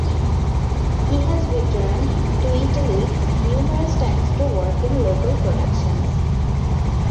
He has returned to Italy numerous times to work in local productions.